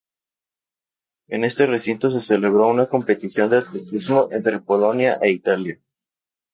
En este recinto se celebró una competición de atletismo entre Polonia e Italia.